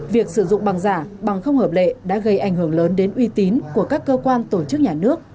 việc sử dụng bằng giả bằng không hợp lệ đã gây ảnh hưởng lớn đến uy tín của các cơ quan tổ chức nhà nước